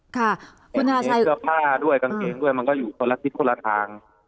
แยะเกียรติใต้เสื้อผ้าและเกางเกงด้วยมันก็อยู่ทั่วละทิศทั่วละทาง